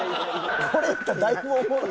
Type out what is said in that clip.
これやったらだいぶおもろい。